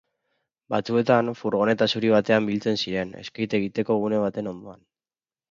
Batzuetan, furgoneta zuri batean biltzen ziren, skate egiteko gune batean ondoan.